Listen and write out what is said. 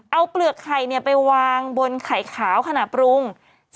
เอาเปลือกไข่ไปวางบนไข่ขาวขณะปรุง